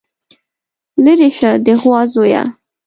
ليرې شه د غوا زويه.